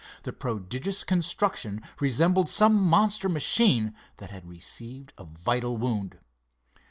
The prodigious construction resembled some monster machine that had received a vital wound.